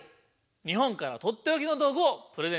日本からとっておきの道具をプレゼントいたします。